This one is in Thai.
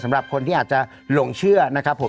สำหรับคนที่อาจจะหลงเชื่อนะครับผม